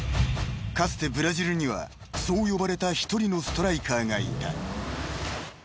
［かつてブラジルにはそう呼ばれた１人のストライカーがいた］